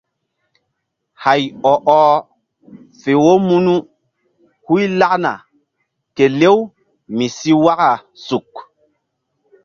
Hay ɔ ɔh fe wo munu huy lakna kelew mi si waka suk.